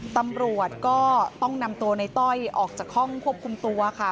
ตำรวจก็ต้องนำตัวในต้อยออกจากห้องควบคุมตัวค่ะ